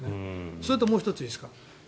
それともう１ついいですか。